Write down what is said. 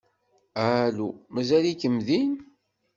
Alu? Mazal-iken din?